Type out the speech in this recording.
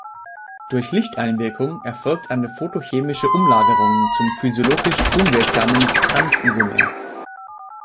Durch Lichteinwirkung erfolgt eine photochemische Umlagerung zum physiologisch unwirksamen "trans"-Isomer.